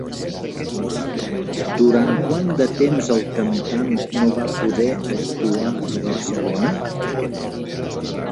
Durant quant de temps el cantant no va poder actuar a Barcelona?